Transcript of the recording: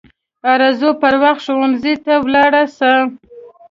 ارزو پر وخت ښوونځي ته ولاړه سه